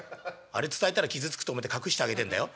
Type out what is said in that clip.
「あれ伝えたら傷つくと思って隠してあげてんだよ？」。